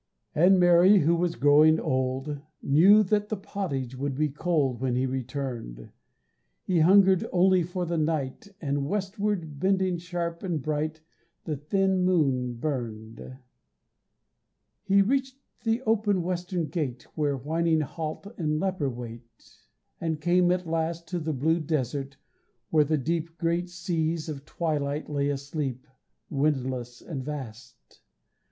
And Mary, who was growing old, Knew that the pottage would be cold When he returned; He hungered only for the night, And westward, bending sharp and bright, The thin moon burned. He reached the open western gate Where whining halt and leper wait, And came at last To the blue desert, where the deep Great seas of twilight lay asleep, Windless and vast.